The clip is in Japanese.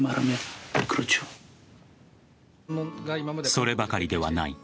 そればかりではない。